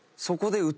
そこで。